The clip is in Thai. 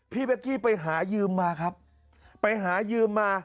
พี่เป๊กกี้ไปหายืมมาครับไปหายืมมา